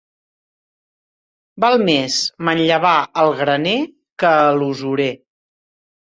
Val més manllevar al graner que a l'usurer.